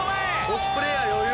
コスプレーヤー余裕！